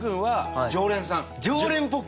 常連っぽく？